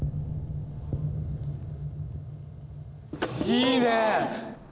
いいね！